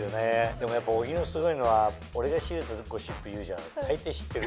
でもやっぱ小木のすごいのは俺が仕入れたゴシップ言うじゃん大抵知ってる。